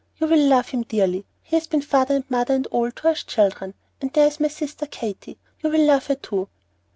You will love him dearly. He has been father and mother and all to us children. And there's my sister Katy, you will love her too."